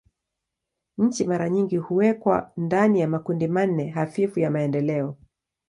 Nchi mara nyingi huwekwa ndani ya makundi manne hafifu ya maendeleo.